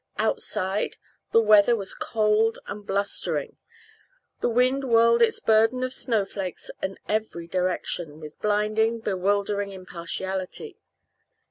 Outside the weather was cold and blustering. The wind whirled its burden of snowflakes in every direction with blinding, bewildering impartiality.